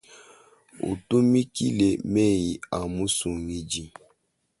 Utumikile meyi a musungidi.